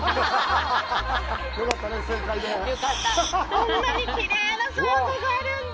こんなにきれいなサンゴがあるんだ。